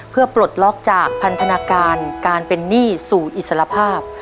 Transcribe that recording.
เพื่อปลดล็อกจากพันธนาการการเป็นหนี้สู่อิสรภาพ